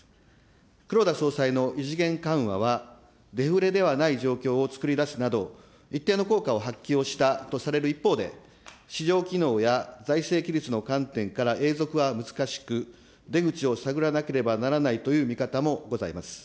黒田総裁の異次元緩和は、デフレではない状況を作り出すなど、一定の効果を発揮をしたとされる一方で、市場機能や財政規律の観点から永続は難しく、出口を探らなければならないという見方もございます。